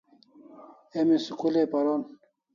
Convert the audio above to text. Emi school ai paron